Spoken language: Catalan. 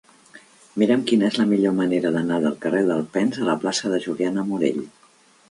Mira'm quina és la millor manera d'anar del carrer d'Alpens a la plaça de Juliana Morell.